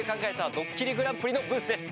ドッキリＧＰ』のブースです。